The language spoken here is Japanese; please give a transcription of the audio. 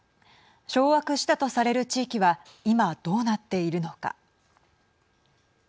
掌握したとされる地域は今、どうなっているのか。